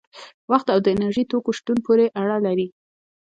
وخت او د انرژي توکو شتون پورې اړه لري.